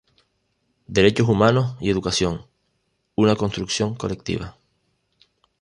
Derechos Humanos y Educación: una construcción colectiva".